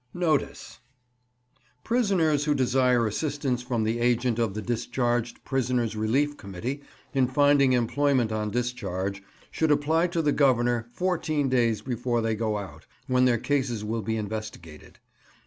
NOTICE. "Prisoners who desire assistance from the agent of the Discharged Prisoners' Relief Committee, in finding employment on discharge, should apply to the Governor fourteen days before they go out, when their cases will be investigated.